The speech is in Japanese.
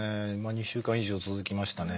２週間以上続きましたね。